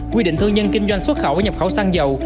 quy định thương nhân kinh doanh xuất khẩu nhập khẩu xăng dầu